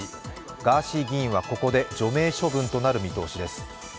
ガーシー議員はここで除名処分となる見通しです。